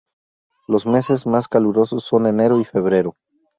Los meses más calurosos son enero y febrero.